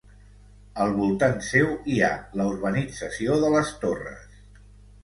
Al voltant seu hi ha la urbanització de les Torres.